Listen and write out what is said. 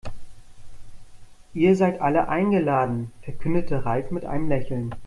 Ihr seid alle eingeladen, verkündete Ralf mit einem Lächeln.